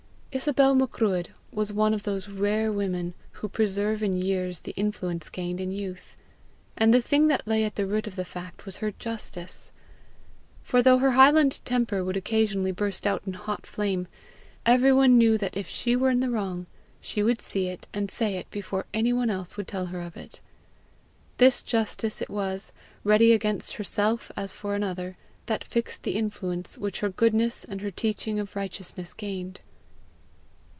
Isobel Macruadh was one of those rare women who preserve in years the influence gained in youth; and the thing that lay at the root of the fact was her justice. For though her highland temper would occasionally burst out in hot flame, everyone knew that if she were in the wrong, she would see it and say it before any one else would tell her of it. This justice it was, ready against herself as for another, that fixed the influence which her goodness and her teaching of righteousness gained.